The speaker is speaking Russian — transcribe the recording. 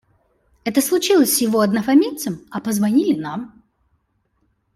Это случилось с его однофамильцем, а позвонили нам.